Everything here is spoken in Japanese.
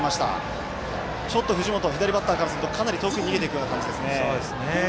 藤本は左バッターからするとかなり遠くに逃げていくような感じですね。